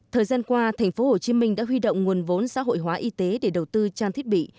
thời gian qua tp hcm đã huy động nguồn vốn xã hội hóa y tế để đầu tư trang thiết bị